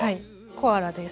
コアラです。